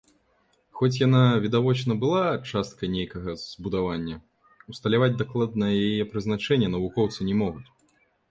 Хоць яна відавочна была часткай нейкага збудавання, усталяваць дакладнае яе прызначэнне навукоўцы не могуць.